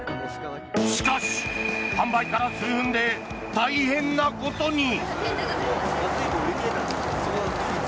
しかし販売から数分で大変なことに。